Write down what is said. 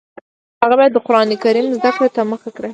هغه بیا د قران کریم زده کړې ته مخه کړه